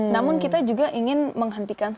namun kita juga ingin menghentikan